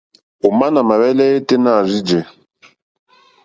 Òmá nà mà hwɛ́lɛ́ yêténá à rzí jè.